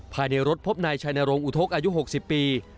ภายในรถพบนายชัยนรงคกอายุ๖๐ปี